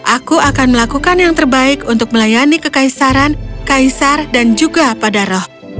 aku akan melakukan yang terbaik untuk melayani kekaisaran kaisar dan juga pada roh